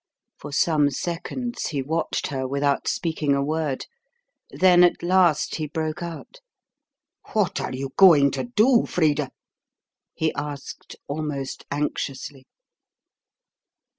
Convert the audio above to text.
For some seconds he watched her without speaking a word. Then at last he broke out. "What are you going to do, Frida?" he asked, almost anxiously.